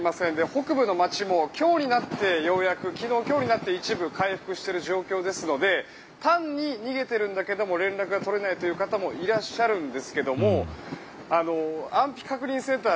北部の街も昨日今日になって、ようやく一部回復している状況ですので単に逃げてるんだけど連絡が取れない方もいらっしゃるんですが安否確認センター